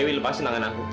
dewi lepaskan tangan aku